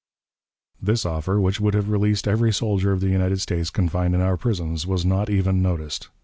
This offer, which would have released every soldier of the United States confined in our prisons, was not even noticed.